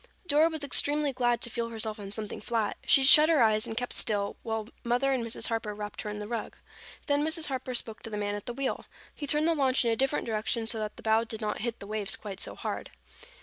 Dora was extremely glad to feel herself on something flat. She shut her eyes and kept still while Mother and Mrs. Harper wrapped her in the rug. Then Mrs. Harper spoke to the man at the wheel. He turned the launch in a different direction so that the bow did not hit the waves quite so hard.